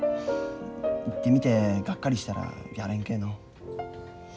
行ってみてがっかりしたらやれんけえの。